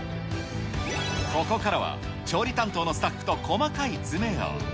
ここからは調理担当のスタッフと細かい詰めを。